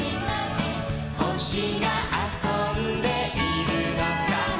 「ほしがあそんでいるのかな」